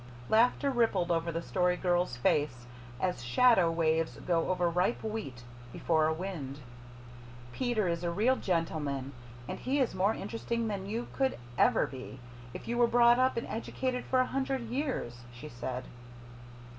Laughter rippled over the Story Girl's face as shadow waves go over ripe wheat before a wind. "Peter is a real gentleman, and he is more interesting than YOU could ever be, if you were brought up and educated for a hundred years," she said.